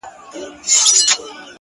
o زما په لاس كي هتكړۍ داخو دلې ويـنـمـه،